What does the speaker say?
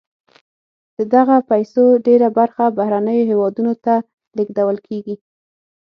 د دغه پیسو ډېره برخه بهرنیو هېوادونو ته لیږدول کیږي.